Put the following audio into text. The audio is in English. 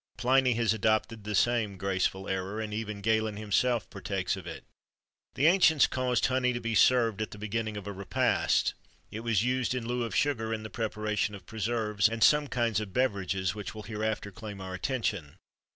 [XXIII 17] Pliny has adopted the same graceful error,[XXIII 18] and even Galen himself partakes of it.[XXIII 19] The ancients caused honey to be served at the beginning of a repast;[XXIII 60] it was used in lieu of sugar in the preparation of preserves and some kinds of beverages, which will hereafter claim our attention.